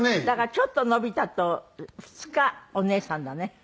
だからちょっとのび太と２日お姉さんだね。